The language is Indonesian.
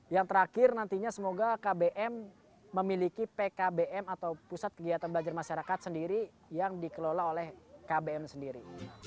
yang terakhir nantinya semoga kbm memiliki pkbm atau pusat kegiatan belajar masyarakat sendiri yang dikelola oleh kbm sendiri